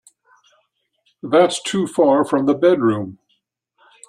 That's too far from the bedroom.